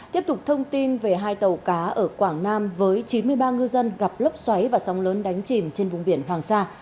tiếp tục thông tin về hai tàu cá ở quảng nam với chín mươi ba ngư dân gặp lốc xoáy và sóng lớn đánh chìm trên vùng biển hoàng sa